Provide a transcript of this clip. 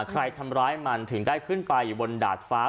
ใครทำร้ายมันถึงได้ขึ้นไปอยู่บนดาดฟ้า